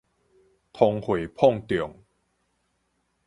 通貨膨脹